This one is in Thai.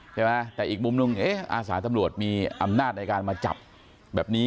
ใช่ไหมแต่อีกมุมนึงอาสาตำรวจมีอำนาจในการมาจับแบบนี้